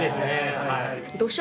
はい。